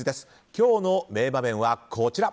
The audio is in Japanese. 今日の名場面はこちら。